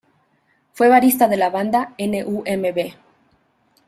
Fue baterista de la banda "n.u.m.b.